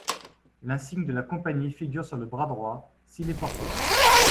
L'insigne de la compagnie figure sur le bras droit, s'il est porté.